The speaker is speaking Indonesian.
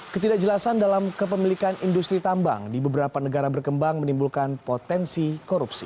ketidakjelasan dalam kepemilikan industri tambang di beberapa negara berkembang menimbulkan potensi korupsi